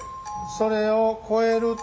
それを超えると。